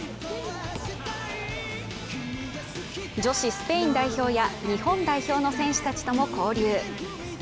女子スペイン代表や日本代表の選手たちとも交流。